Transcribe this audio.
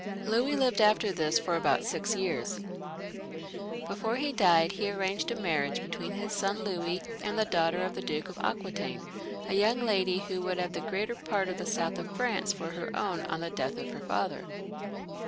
Louis lived after this for about six years. Before he died he arranged a marriage between his son Louis and the daughter of the Duke of Aquitaine, a young lady who would have the greater part of the south of France for her own on the death of her father.